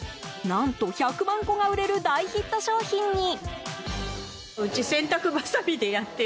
何と１００万個が売れる大ヒット商品に。